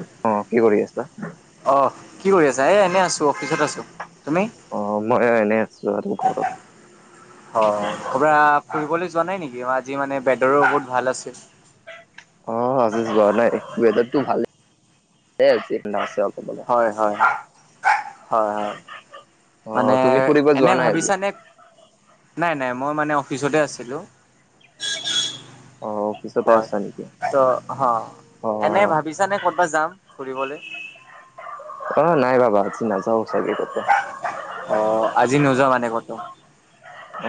অ, কি কৰি আছা? অ, কি কৰি আছা? এ এনে আছো অফিচত আছো। তুমি? অ, মই এনে আছো আৰু ঘৰত। অ, কৰবাত ফুৰিবলৈ যোৱা নাই নেকি? আজি মানে বেডৰো বহুত ভাল আছিল। অ, আজি যোৱা নাই ৱাৰডাৰটো ভালেই [unintelligible] হয়, হয়, হয়, হয়, অ মানে তুমি ফুৰিব এনে যোৱা নাই আজি? ভাবিছা নে? নাই নাই মই মানে অফিচতে আছিলোঁ। অ, অফিচতে হয়, আছা নেকি? ত অ, অ এনে ভাবিছা নে ক'তবা যাম ফুৰিবলে? অ, নাই ভাবা আজি নাযাও চাগেই কতে অ, আজি নোযোৱা মানে কতো? অ,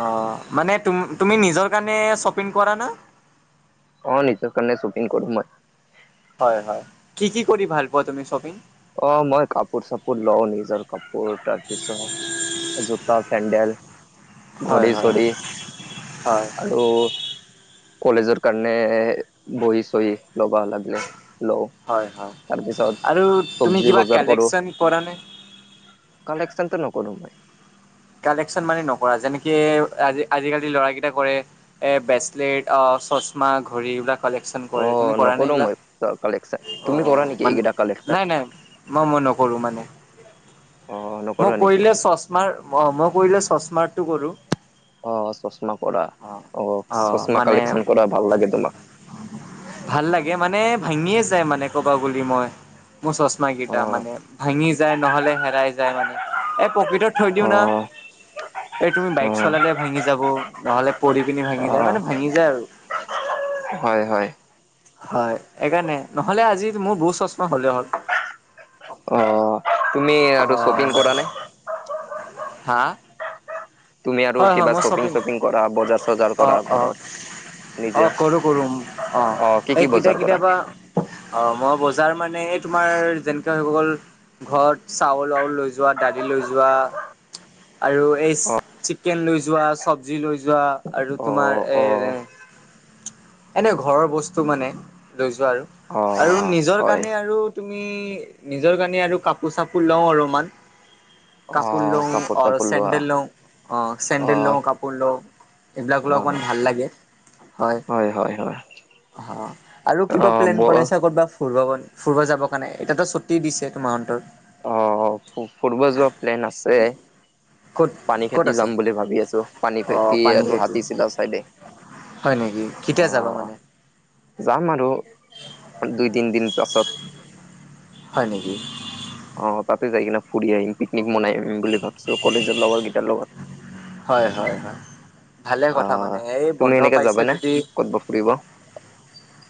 অ', মানে তুমি নিজৰ কাৰণে শ্বপিং কৰা না? অ', নিজৰ কাৰণে শ্বপিং কৰো মই। হয়, হয়, কি কি কৰি ভাল পোৱা তুমি শ্বপিং? অ', মই কাপোৰ চাপোৰ লওঁ নিজৰ কাপোৰ। তাৰপিছত জোতা-চেণ্ডেল, হয়, হয়, হয়, ঘড়ী-চৰি হয়, আৰু কলেজৰ কাৰণে বহি চহী লব লাগিলে লওঁ। হয়, হয়, তাৰপিছত আৰু তুমি চব্জি কিবা বজাৰ কৰো, কালেকচন কৰা নে? কালেকশ্যনতো নকৰো মই। কালেকশ্যন মানে নকৰা? যেনেকে আজিকালি ল'ৰাকেইটাই কৰে এ ব্ৰেচলেট অ, চচমা ঘড়ী এইবিলাক। কালেকশ্যন কৰে, অ' তুমি কৰা নে নকৰো মই এইবিলাক? কালেকচন। অ, তুমি কৰা নেকি এইকেইটা মানে কালেকচন? নাই নাই মই মই নকৰোঁ মানে অ' মই নকৰা নেকি? কৰিলে চচমাৰ অ' মই কৰিলে চচমাৰটো কৰো। অ' চচমা কৰা, অ', চচমা কালেকশ্যন কৰা ভাল লাগে তোমাক। ভাল লাগে মানে ভাঙিয়ে যায় মানে ক'বা গলি মই। মোৰ চচমা কেইটা অ' মানে ভাঙি যায় নহ'লে হেৰাই যায়। মানে এ পকেটত থৈ দিও না, অ' এই তুমি বাইক অ' চলালে ভাঙি যাব নহ'লে পৰি পিনে ভাঙি যায় অ' মানে ভাঙি যায় আৰু। হয়, হয়। হয়, এইকাৰণে নহ'লে আজি মোৰ বহুত চচমা হ'লে হয়। অ', তুমি আৰু শ্বপিং কৰা নে? হা'? তুমি আৰু হয় হয় কিবা মই শ্বপিং তপিং কৰা, বজাৰ চজাৰ কৰা অ' অ' ঘৰৰ? নিজে? অ', কৰো কৰো অ', কি কি এই কেতিয়া বজাৰ কৰা? কেতিয়াবা অ', মই বজাৰ মানে তোমাৰ যেনেকে হৈ গ'ল ঘৰত চাউল আউল লৈ যোৱা, দালি লৈ যোৱা, আৰু এই অ' চিকেন লৈ যোৱা, চবজি লৈ যোৱা, আৰু তোমাৰ অ' এৰ অ' এনে ঘৰৰ বস্তু মানে লৈ যোৱা আৰু আৰু অ' নিজৰ হয়। কাৰণে আৰু তুমি নিজৰ কাৰণে আৰু কাপোৰ চাপোৰ লও অলপমান। কাপোৰ অ' লওঁ কাপোৰ আৰু চাপোৰ লোৱা। চেণ্ডেল লওঁ। অ', চেণ্ডেল অ' লওঁ কাপোৰ লওঁ এইবিলাক ললে অ' অকণমান ভাল লাগে হয়। হয়, হয়, হয়। অ', আৰু কিবা অ' প্লেন ব বনাইছা ক'ৰবাত ফু ফুৰিব যাবৰ কাৰণে? এতিয়াটো ছুটি দিছে তোমাৰন্তৰ। অ', ফুৰিব যোৱা প্লেন আছে। ক'ত পানী ক'ত খাতি আছে যাম বুলি ভাবি আছো। পানী অ খাতি পানী আৰু খেতি হাতী চিলা চাইডে হয় নেকি? কেতিয়া যাবা অ' মানে যাম আৰু দুই তিনিদিন পাছত। হয় নেকি? অ', তাতে যাই কিনে ফুৰি আহিম পিকনিক মনাই আহিম বুলি ভাবিছো কলেজৰ লগৰ কেইটাৰ লগত। হয়, হয়, হয় ভালে কথা। মানে এই বন্ধ পাইছে যদি ক'ত বা ফুৰিব?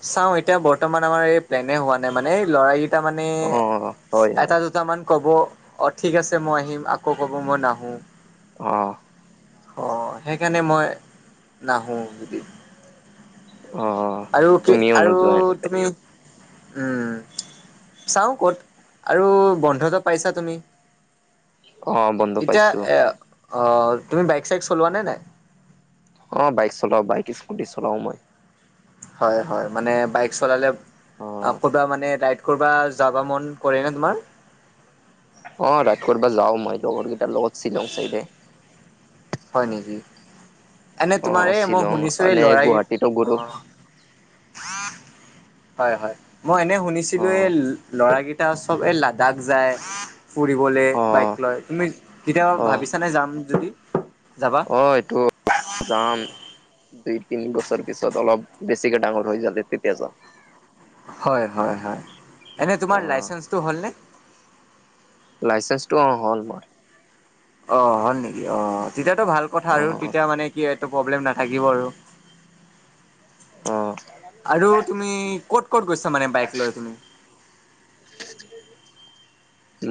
চাওঁ, এতিয়া বৰ্তমান আমাৰ এই প্লেনে হোৱা নাই। মানে এই ল'ৰা তাৰ মানে অ' হয় এটা হয়। দুটামান ক'ব অ' ঠিক আছে মই আহিম, আকৌ ক'ব মই নাহো। অ'। অ', সেইকাৰণে মই নাহো, যদি অ'। আৰু কি? তুমিও আৰু নোযোৱা এনেকে? তুমি, উম। চাওঁ ক'ত? আৰু বন্ধতো পাইছা তুমি। অ' বন্ধ এতিয়া পাইছো। এ, আহ, তুমি বাইক চাইক চলোৱা নে নাই? অ', বাইক চলাও, বাইক স্কুটি চলাও মই। হয় হয়, মানে বাইক চলালে, অ' ক'ৰবাত মানে ৰাইড কৰ'বাত যাবা মন কৰেনে তোমাৰ? অ', ৰাইড কৰিব যাও মই, লগৰ কেইটাৰ লগত শ্বিলং চাইডে। হয় নেকি এনে তোমাৰ অ', এই মই শ্বিলং শুনিছো অ' এই ল'ৰা গুৱাহাটীটো ঘুৰো। অ হয় হয়, মই এনে অ শুনিছিলো, এই ল'ৰাৰাকেইটা চব এই লাডাখ যায়। ফুৰিবলৈ অ বাইক লৈ, তুমি কেতিয়াবা অ ভাবিছানে যাম যদি, যাবা হয় [unintelligible] তো যাম। দুই তিনি বছৰ পিছত, অলপ বেছিকে ডাঙৰ হৈ যালে তেতিয়া যাম। হয়, হয়, হয়, এনে অ তোমাৰ লাইচেঞ্চটো হলনে? লাইচেন্ঞ্চটো অ', হ'ল মোৰ। অ', হ'ল নেকি অ'? তেতিয়াাতটো ভাল কথা অ আৰু, তেতিয়া মানে কি, এইটো প্ৰব্লেম নাথাকিব আৰু। অ আৰু তুমি ক'ত ক'ত গৈছা? মানে বাইক লৈ তুমি।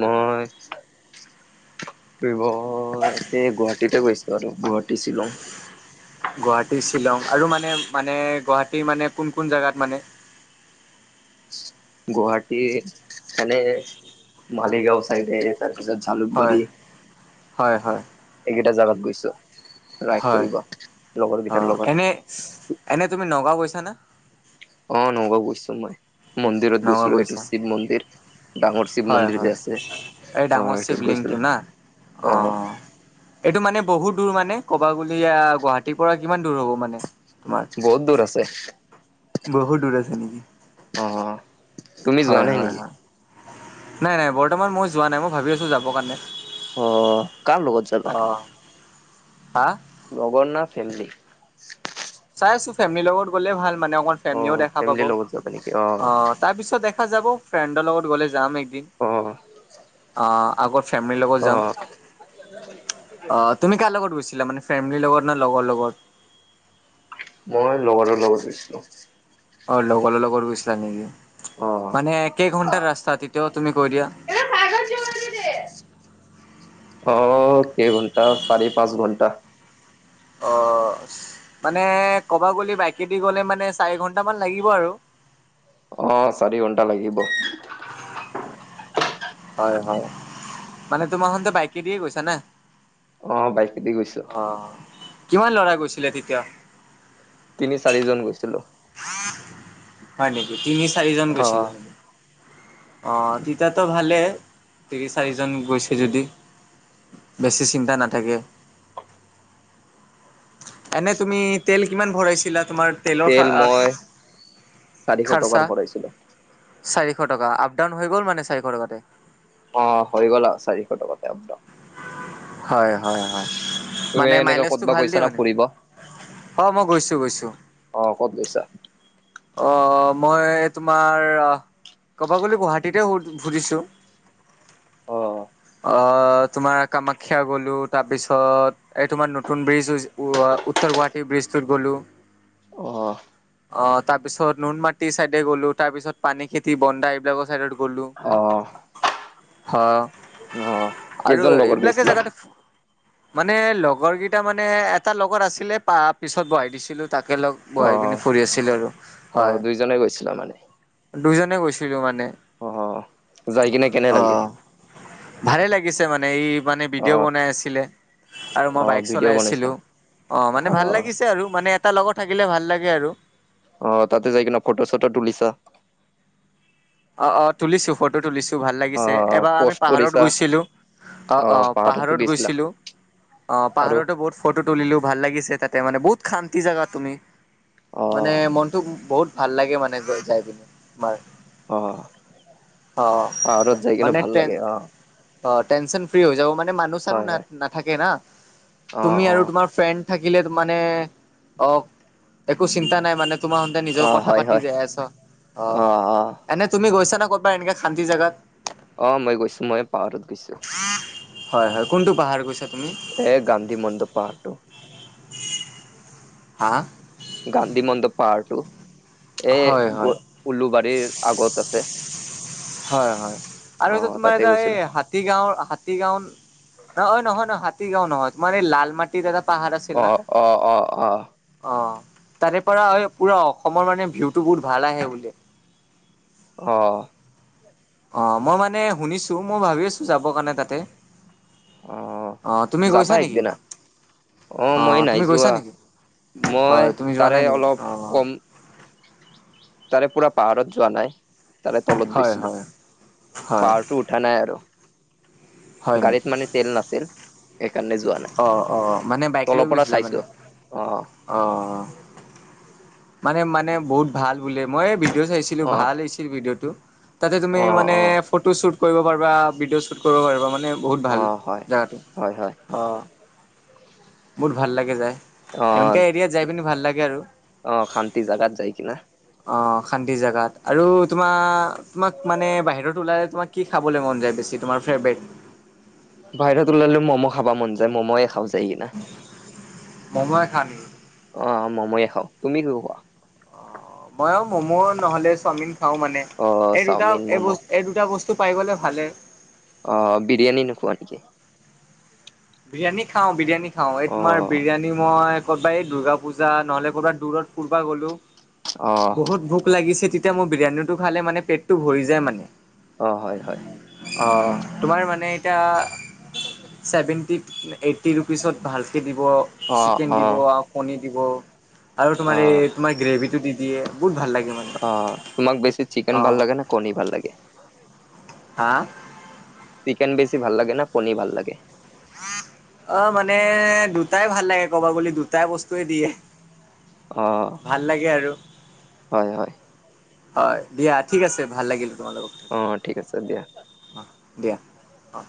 মই ফুৰিব ইয়াতে গুৱাহাটীতেই গৈছোঁ আৰু, গুৱাহাটী, শ্বিলং। গুৱাহাটী, শ্বিলং আৰু মানে, মানে গুৱাহাটীৰ মানে কোন কোন জোগাত মানে? গুৱাহাটীৰ এনে মালিগাঁও চাইদে। তাৰপিছত হয় জালুকবাৰী, হয় হয় এইকেইটা জাগাত গৈছোঁ। ৰাইট হয় কৰিব, অ লগৰকেইটাৰ লগত। এনে এনে তুমি নগাঁও গৈছানা? অ', নগাঁও গৈছো মই, মন্দিৰত নগাঁও গৈছিলোঁ, এইটো গৈছা শিৱ মন্দিৰ। ডাঙৰ শিৱ হয় মন্দিৰ হয় যে আছে, এই অ', ডাঙৰ সেইটোত শিৱলিংটো গৈছিলোঁ, না অ', অ'। অঁ এইটো মানে বহুত দূৰ মানে, কবা গ'লে, গুৱাহাটীৰ পৰা কিমান দূৰ হ'ব মানে তোমাৰ? বহুত দূৰ আছে। বহুত দূৰ আছে নেকি? অহ। হয় হয় হয়, নাই নাই, বৰ্তমান মই যোৱা নাই, মই ভাবি আছোঁ যাবৰ কাৰণে। অ কাৰ লগত যাবা অ', আহ? লগৰ না ফেমিলি? চাই আছোঁ, ফেমিলিৰ লগত গ'লে ভাল মানে, অকণমান অ ফেমিলিও দেখা পাব, ফেমিলিৰ অ'। লগত যাবা নেকি অ তাৰপিছত দেখা যাব, ফ্ৰেণ্ডৰ লগত গ'লে যাম একদিন। অ অ', আগত ফেমিলিৰ লগত অ যাম। অ', তুমি কাৰ লগত গৈছিলা? মানে ফেমিলিৰ লগত না লগৰ লগত? মই লগৰৰ লগত গৈছিলোঁ। অ', লগৰৰ লগত গৈছিলা নেকি? অ মানে কেই ঘণ্টাৰ ৰাস্তা তেতিয়াও তুমি কৈ দিয়া। অ', কেই ঘণ্টা? চাৰি পাঁচ ঘণ্টা। অ', মানে ক'বা গ'লে, বাইকেদি গ'লে মানে, চাৰি ঘন্টা মান লাগিব আৰু। অ', চাৰি ঘণ্টা লাগিব। হয় হয়, মানে তোমাৰ [unintelligible] বাইকে দিয়েই গৈছা না? অ বাইকেদি গৈছো অহ, কিমান ল'ৰা গৈছিলে তেতিয়া তিনি, চাৰিজন গৈছিলোঁ। হয় নেকি। তিনি, চাৰিজন অ গৈছিলে অ' তেতিয়াতো ভালেই তিনি, চাৰিজন গৈছে যদি। বেছি চিন্তা নাথাকে। এনে তুমি তেল কিমান ভৰাইছিলা? তোমাৰ তেলৰ তেল মই খা- চাৰিশ টকাৰ খৰচা ভৰাইছিলো চাৰিশ টকা, আপ- ডাউন হৈ গ'ল মানে চাৰিশ টকাতে। অ', হৈ গ'ল আৰু, চাৰিশ টকাতে আপ ডাউন। হয়, হয়, হয়। তুমি মানে এনেকা মাইলেজটো ক'তবা ভাল গৈছা দিয়ে না মানে। ফুৰিব অ', মই গৈছোঁ, গৈছোঁ। অ', ক'ত গৈছা? অ', মই তোমাৰ আ ক'ব গ'লে গুৱাহাটীতে ঘূ- ঘূৰিছোঁ। অ', অ', তোমাৰ কামাখ্যা গ'লো। তাৰপিছত এই তোমাৰ নতুন ব্ৰিজ হৈছে, উ, আ উত্তৰ- গুৱাহাটীৰ ব্ৰিজটোত গ'লো। অহ, অ' তাৰপিছত নুনমাটিৰ চাইডে গ'লো। তাৰপিছত পানীখেতি, বন্দা এইবিলাকৰ চাইডত গ'লো। তাৰ অ অ', আৰু কেইজন লগৰ এইবিলাকে গৈছিলা জেগাতে মানে, লগৰকেইটা মানে, এটা লগত আছিলে, পা- পিছত বহাই দিছিলোঁ। তাকে লগ অ বহাই পিনে ফুৰি আছিলোঁ আৰু। হয় অ', দুইজনে গৈছিলা মানে? দুইজনে গৈছিলোঁ মানে। যায় কিনে কেনে লাগিল? অ' ভালে লাগিছে মানে, এই মানে অ ভিডিঅ' বনাই আছিলে। আৰু মই অ বাইক ভিডিঅ' চলাই বনাইছা আছিলোঁ। অ', মানে ভাল লাগিছে আৰু, মানে এটা লগত থাকিলে ভাল লাগে আৰু। অ', তাতে যায় কেনে ফটো- চটো তুলিছা? অ', অ', তুলিছো, ফটো তুলিছো। ভাল অ লাগিছে, এবাৰ আমি পষ্ট পাহাৰত কৰিছা গৈছিলোঁ। অ', অ' পাহাৰতো পাহাৰত গৈছিলা গৈছিলোঁ। অ' আৰু পাহাৰতো বহুত ফটো তুলিলো। ভাল লাগিছে, তাতে মানে বহুত শান্তি জেগা তুমি অ মানে মন মনটো বহুত ভাল লাগে মানে, যায় পিনে তোমাৰ। অ', অ পাহাৰত যায় কিনে মানে ভাল টেন লাগে। অহ অ', টেনচন ফ্ৰী হৈ যাওঁ। মানে, মানুহ- হয় চানুহ হয় নাথাকে না, অ তুমি অ আৰু তোমাৰ ফ্ৰেণ্ড থাকিলে মানে অ' একো চিন্তা নাই মানে তোমাৰমতে অ নিজৰ কথা হয় পাতি হয় যায় আছা অ' এনে তুমি গৈছা নে, ক'ৰবাত এনেকুৱা শান্তি জেগাত? অ', মই গৈছো‍ঁ। মই পাহাৰত গৈছোঁ। হয়, হয়। কোনটো পাহাৰত গৈছা তুমি? এ, গান্ধীমণ্ডপ পাহাৰটো। হা। গান্ধীমণ্ডপ পাহাৰটো, হয় এ, হয় উলুবাৰীৰ আগত আছে। হয়, হয়। আৰু অ এটা তোমাৰ তাতে এটা এই গৈছিলো হা তীগাঁও, হাতীগাঁও ন নহয় নহয় হাতীগাঁও নহয় তোমাৰ এই লালমাটি টিত এটা পাহাৰ আছিল অ না। অ অ অ অ' তাৰে পৰা পুৰা অসমৰ মানে ভিউটো বহুত ভাল আহে বোলে। অ'। অ' মই মানে শুনিছো মই ভাবি আছো যাবৰ কাৰণে তাতে। অ অ' তুমি যাবা গৈছা নেকি? একদিনা মই অ' নাই তুমি গৈছা যোৱা নেকি? মই হয় তুমি যোৱা তাৰে নাই নেকি অলপ অ'। কম তাৰে পুৰা পাহাৰত যোৱা নাই, তাৰে তলত হয় গৈছিলো। হয় হয় পাহাৰটো উঠা নাই আৰু হয় গাড়ীত নেকি? মানে তেল নাছিল। সেইকাৰণে যোৱা নাই অ' অ' মানে বাইক লৈ তলৰ পৰা গৈছিলা মানে? চাইছো। অ'। অ'। মানে মানে বহুত ভাল বোলে মই ভিডিঅ' চাইছিলো অ ভাল হৈছিল ভিডিঅ'টো। তাতে তুমি অ মানে অ ফটো শ্বুট কৰিব পাৰিবা, ভিডিঅ' শ্বুট কৰিব পাৰিবা মানে বহুত অ ভাল হয় জেগাটো হয় হয় অ' বহুত ভাল লাগে যায়। অ এনকা এৰিয়াত যাই পিনি ভাল লাগে আৰু। অ' শান্তি জাগাত যায় কিনে অ' শান্তি জাগাত আৰু তোমাৰ, তোমাক মানে বাহিৰত ওলাই তোমাক কি খাবলৈ মন যায় বেছি তোমাৰ ফেভৰেট? বাহিৰত ওলালে মম' খাব মন যায়, মম'য়ে খাও যায় কিনে মম'য়ে খাও নেকি? অ' মম'য়ে খাও। তুমি কি খোৱা? অ' মইও ম'ম' নহ'লে চাওমিন খাওঁ। মানে অ এই দুটা চাওমিন এই ম'ম' বস্তু এই দুটা বস্তু পাই গ'লে ভালেই। অ' বিৰিয়ানী নোখোৱা নেকি? বিৰিয়ানী খাওঁ, বিৰিয়ানী খাওঁ। এই অ তোমাৰ বিৰিয়ানী মই ক'ৰবা এই দুৰ্গা পূজা নহ'লে ক'ৰবাত দূৰত ফুৰবা গ'লো অ বহুত ভোক লাগিছে তেতিয়া মোৰ বিৰিয়ানীটো খালে মানে পেটটো ভৰি যায় মানে। অ' হয়, হয়। অ', তোমাৰ মানে এতিয়া চেভেন টি, এইট্টি ৰুপিচত ভালকৈ দিব। অ চিকেন অ দিব আৰু কণী দিব। আৰু অ তোমাৰ এই তোমাৰ এই গ্ৰেভি টো দি দিয়ে বহুত ভাল লাগে মানে। অ', তোমাক বেছি চিকেন ভাল অ' লাগে নে কণী ভাল লাগে। হা? চিকেন বেছি ভাল লাগে নে কণী ভাল লাগে? অ', মানে দুটাই ভাল লাগে ক'বা গ'লে দুটাই বস্তুয়ে দিয়ে। অ ভাল লাগে আৰু। হয় হয় হয় দিয়া ঠিক আছে ভাল লাগিলে তোমাৰ লগত অ', ঠিক আছে দিয়া। অ', দিয়া। অ